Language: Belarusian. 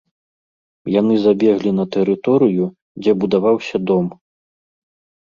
Яны забеглі на тэрыторыю, дзе будаваўся дом.